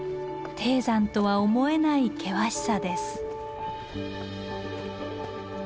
低山とは思えない険しさです。